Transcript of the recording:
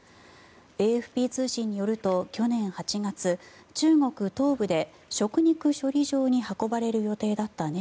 ＡＦＰ通信によると去年８月中国東部で、食肉処理場に運ばれる予定だった猫